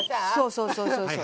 そうそうそうそう。